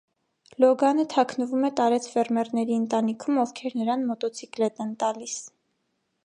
Լոգանը թաքնվում է տարեց ֆերմերների ընտանիքում, ովքեր նրան մոտոցիկլետ են տալիս։